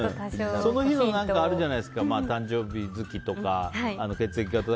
いろいろあるじゃないですか誕生月とか、血液型で。